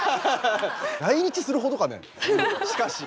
来日するほどかねしかし。